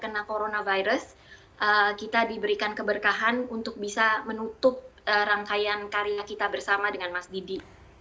karena terkena coronavirus kita diberikan keberkahan untuk bisa menutup rangkaian karya kita bersama dengan mas didi